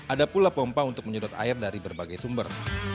ada pula pompa untuk menyedot air dari berbagai sumber